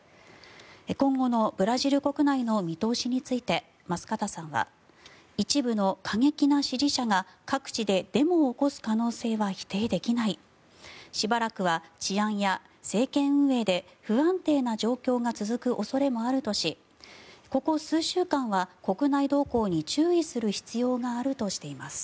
今後のブラジル国内の見通しについて舛方さんは一部の過激な支持者が各地でデモを起こす可能性は否定できないしばらくは治安や政権運営で不安定な状況が続く恐れもあるとしここ数週間は国内動向に注意する必要があるとしています。